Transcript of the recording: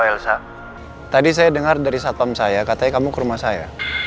elsa tadi saya dengar dari satpam saya katanya kamu ke rumah saya